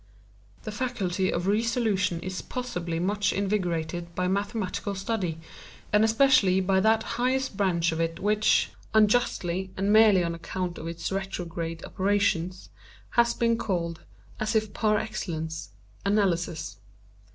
The faculty of re solution is possibly much invigorated by mathematical study, and especially by that highest branch of it which, unjustly, and merely on account of its retrograde operations, has been called, as if par excellence, analysis.